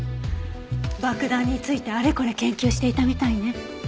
爆弾についてあれこれ研究していたみたいね。